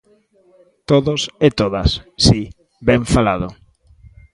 Todos e todas, si, ¡ben falado!